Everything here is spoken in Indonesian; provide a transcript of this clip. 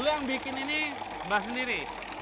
dulu yang bikin ini mbah sendiri